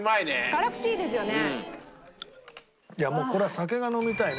辛口いいですよね。